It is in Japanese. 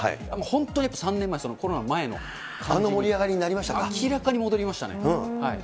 本当にやっぱり３年あの盛り上がりになりました明らかに戻りましたね。